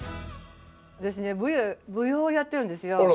私ね舞踊をやってるんですよ。